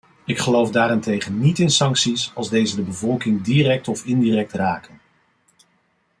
Ik geloof daarentegen niet in sancties als deze de bevolking direct of indirect raken.